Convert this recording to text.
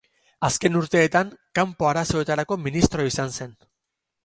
Azken urteetan Kanpo Arazoetarako ministro izan zen.